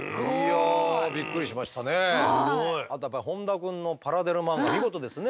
あとやっぱり本多くんのパラデル漫画見事ですね。